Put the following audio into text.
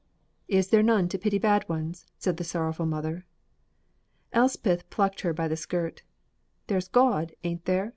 "Is there none to pity bad ones?" said his sorrowful mother. Elspeth plucked her by the skirt. "There's God, ain't there?"